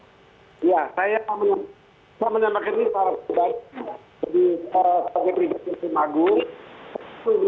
iya saya menambahkan ini kepada pak gede bikin tim agung